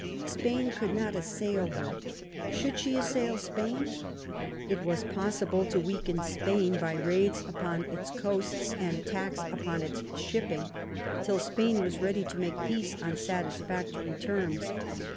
Spain could not assail her; should she assail Spain ? It was possible to weaken Spain by raids upon its coasts, and attacks upon its shipping, till Spain was ready to make peace on satisfactory terms.